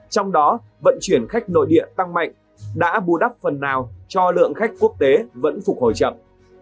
trong đó vận chuyển khách nội địa tăng mạnh đã bù đắp phần nào cho lượng khách quốc tế vẫn phục hồi chậm